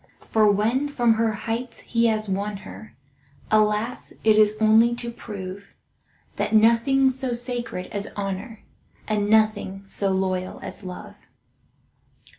For when from her heights he has won her, Alas! it is only to prove That nothing's so sacred as honor, And nothing so loyal as love!